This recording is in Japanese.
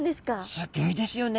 すっギョいですよね。